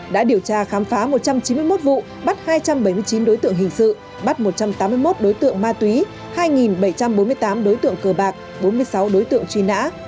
đã điều tra khám phá một trăm chín mươi một vụ bắt hai trăm bảy mươi chín đối tượng hình sự bắt một trăm tám mươi một đối tượng ma túy hai bảy trăm bốn mươi tám đối tượng cờ bạc bốn mươi sáu đối tượng truy nã